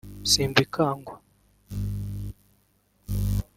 Simbikangwa